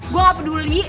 gue gak peduli